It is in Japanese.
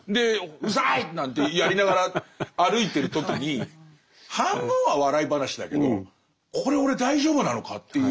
「うるさい！」なんてやりながら歩いてる時に半分は笑い話だけどこれ俺大丈夫なのかっていう。